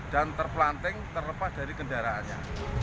dan terpelanteng terlepas dari kendaraannya